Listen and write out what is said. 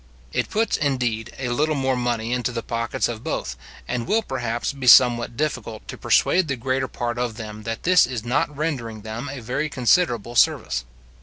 It puts, indeed, a little more money into the pockets of both, and it will perhaps be somewhat difficult to persuade the greater part of them that this is not rendering them a very considerable service.